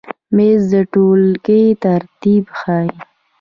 مېز د ټولګۍ ترتیب ښیي.